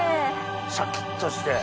シャキっとして。